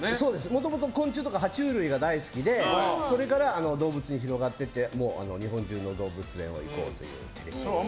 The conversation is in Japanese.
もともと昆虫とかは虫類が大好きでそれから動物に広がって日本中の動物に行こうという番組です。